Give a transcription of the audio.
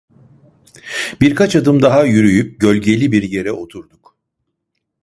Birkaç adım daha yürüyüp gölgeli bir yere oturduk.